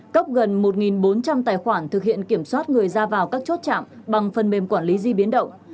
cấp gần một bốn trăm linh tài khoản thực hiện kiểm soát người ra vào các chốt chạm bằng phần mềm quản lý di biến động